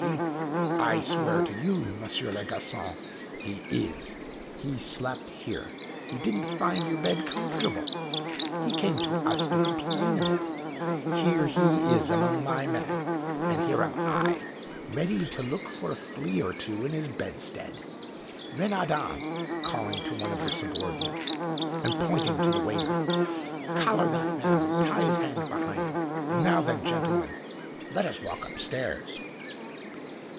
he " "I swear to you, Monsieur le Garcon, he is. He slept here he didn't find your bed comfortable he came to us to complain of it here he is among my men and here am I ready to look for a flea or two in his bedstead. Renaudin! (calling to one of the subordinates, and pointing to the waiter) collar that man and tie his hands behind him. Now, then, gentlemen, let us walk upstairs!"